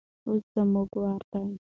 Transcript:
اوس زموږ وار دی.